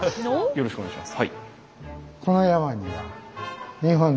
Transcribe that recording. よろしくお願いします。